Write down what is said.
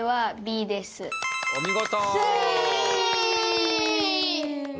お見事。